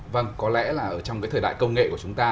vâng có lẽ là trong thời đại công nghệ của chúng ta